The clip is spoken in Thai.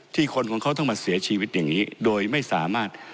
คนของเขาต้องมาเสียชีวิตอย่างนี้โดยไม่สามารถ